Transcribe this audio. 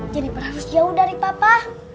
jeniper harus jauh dari papa